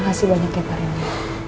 makasih banyak ya pak rendy